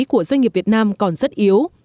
của doanh nghiệp việt nam còn rất yếu